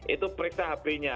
itu periksa hb nya